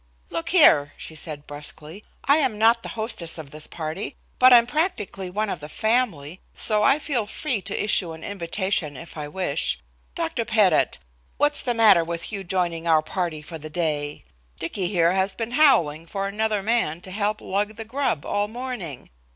"Look here," she said brusquely, "I'm not the hostess of this party, but I'm practically one of the family, so I feel free to issue an invitation if I wish. Dr. Pettit, what's the matter with you joining our party for the day? Dicky here has been howling for another man to help lug the grub all morning.